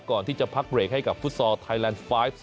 ก่อนที่จะพักเบรกให้กับฟุตซอลไทยแลนด์ไฟล์๒